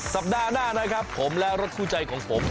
สัปดาห์หน้านะครับผมและรถคู่ใจของผม